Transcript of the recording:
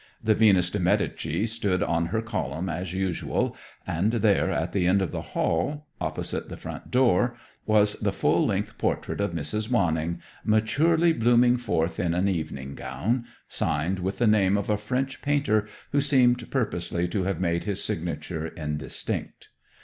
The Venus di Medici stood on her column as usual and there, at the end of the hall (opposite the front door), was the full length portrait of Mrs. Wanning, maturely blooming forth in an evening gown, signed with the name of a French painter who seemed purposely to have made his signature indistinct.